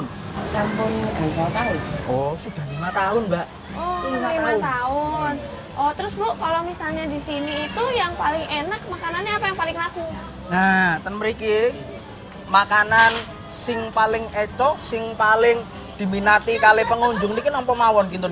nah temriki makanan yang paling enak yang paling diminati kali pengunjung ini kan apa yang mau